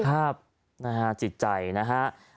ครับจิตใจนะฮะ